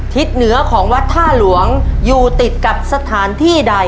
ทิศเหนือของวัดท่าหลวงอยู่ติดกับสถานที่ใด